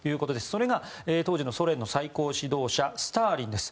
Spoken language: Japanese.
それが当時のソ連の最高指導者スターリンです。